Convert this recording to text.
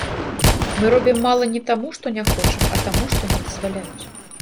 Мы робім мала не таму, што не хочам, а таму, што не дазваляюць.